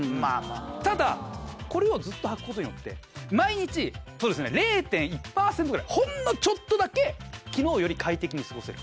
ただこれをずっと履くことによって毎日そうですね０．１％ぐらいほんのちょっとだけ昨日より快適に過ごせる。